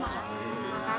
makasih ya emak